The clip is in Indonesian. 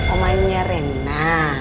oh mainnya rena